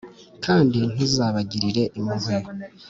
kandi ntuzabagirire impuhwe.